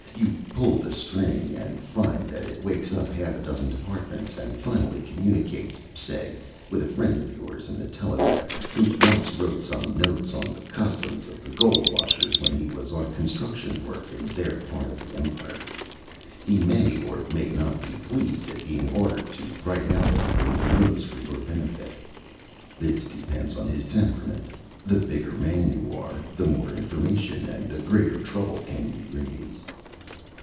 You pull the string, and find that it wakes up half a dozen Departments, and finally communicates, say, with a friend of yours in the Telegraph, who once wrote some notes on the customs of the gold washers when he was on construction work in their part of the Empire. He may or may not be pleased at being ordered to write out everything he knows for your benefit. This depends on his temperament. The bigger man you are, the more information and the greater trouble can you raise.